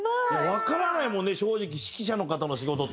わからないもんね正直指揮者の方の仕事って。